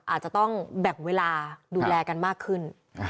อาจจะต้องแบ่งเวลาดูแลกันมากขึ้น